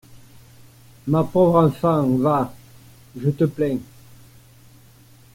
Ma pauvre enfant, va ! je te plains !